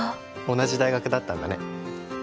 同じ大学だったんだね